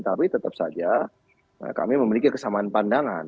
tapi tetap saja kami memiliki kesamaan pandangan